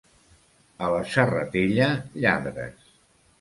A la Serratella, lladres.